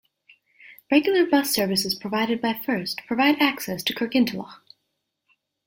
Regular bus services provided by First provide access to Kirkintilloch.